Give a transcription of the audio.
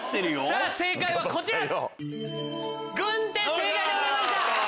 正解はこちら。